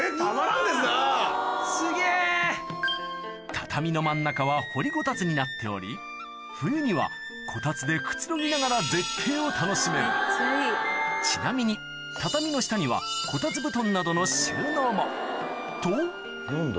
畳の真ん中は掘りごたつになっており冬にはこたつでくつろぎながらちなみに畳の下にはこたつ布団などのと何だ？